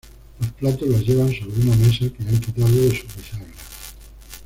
Los platos los llevan sobre una mesa que han quitado de sus bisagras.